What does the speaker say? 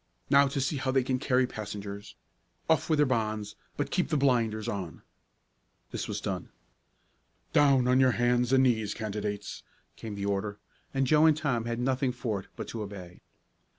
"Now to see how they can carry passengers. Off with their bonds, but keep the blinders on." This was done. "Down on your hands and knees, candidates," came the order, and Joe and Tom had nothing for it but to obey.